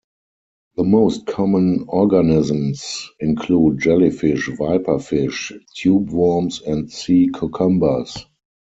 The most common organisms include jellyfish, viperfish, tube worms and sea cucumbers.